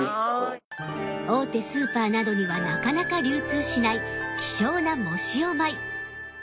大手スーパーなどにはなかなか流通しない希少な藻塩米。